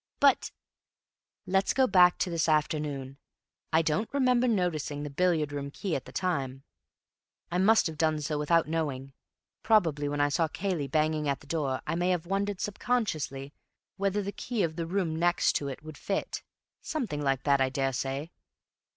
"But—" "Let's go back to this afternoon. I don't remember noticing the billiard room key at the time; I must have done so without knowing. Probably when I saw Cayley banging at the door I may have wondered subconsciously whether the key of the room next to it would fit. Something like that, I daresay.